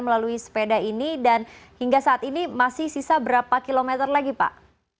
melalui sepeda ini dan hingga saat ini masih sisa berapa kilometer lagi pak